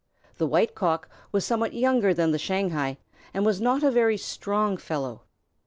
The White Cock was somewhat younger than the Shanghai, and was not a very strong fellow.